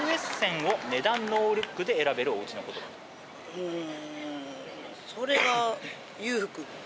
うん。